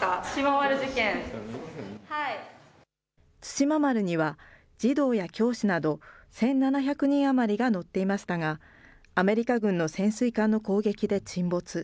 対馬丸には、児童や教師など１７００人余りが乗っていましたが、アメリカ軍の潜水艦の攻撃で沈没。